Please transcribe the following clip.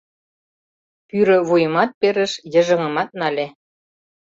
Пӱрӧ вуйымат перыш, йыжыҥымат нале.